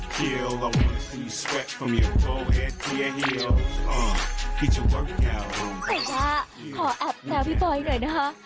เต็ดแล้วขอแอบแซวพี่บอยหน่อยนะฮะ